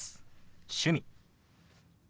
「趣味」。